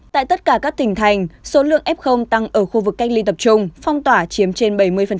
tại tất cả các tỉnh thành số lượng f tăng ở khu vực cách ly tập trung phong tỏa chiếm trên bảy mươi